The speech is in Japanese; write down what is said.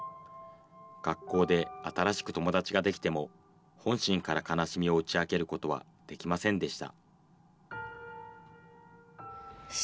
学校で新しく友達ができても、本心から悲しみを打ち明けることはできませんでした。